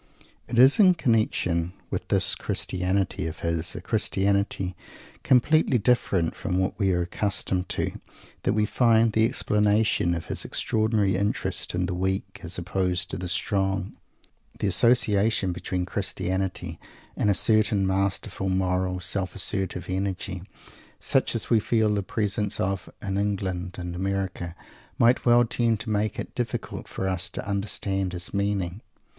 It is in connection with this Christianity of his, a Christianity completely different from what we are accustomed to, that we find the explanation of his extraordinary interest in the "weak" as opposed to the "strong." The association between Christianity and a certain masterful, moral, self assertive energy, such as we feel the presence of in England and America, might well tend to make it difficult for us to understand his meaning.